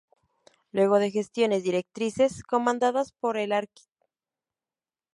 Luego de gestiones directrices comandadas por el Arq.